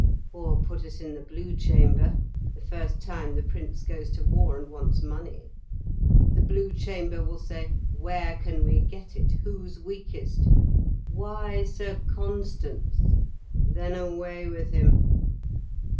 "Or put us in the Blue Chamber, the first time the Prince goes to war and wants money. The Blue Chamber will say, 'Where can we get it? Who's weakest?' 'Why, Sir Constans!' 'Then away with him.'"